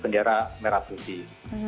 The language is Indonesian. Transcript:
bendera merah putih